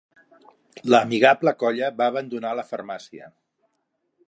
L'amigable colla va abandonar la farmàcia.